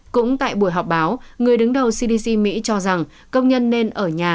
cũng tại buổi họp báo người đứng đầu cdc mỹ cho rằng công nhân nên ở nhà